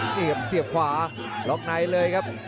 นี่ครับเสียบขวาล็อกไนท์เลยครับ